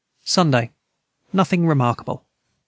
Sunday Nothing remarkable.